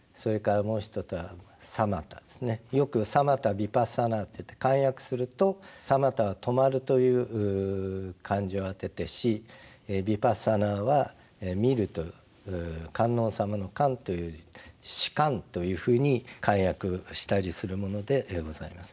よくサマタ・ヴィパッサナーといって漢訳するとサマタは止まるという漢字を当てて止ヴィパッサナーは観ると観音様の観という字止観というふうに漢訳したりするものでございます。